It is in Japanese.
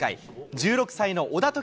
１６歳の小田凱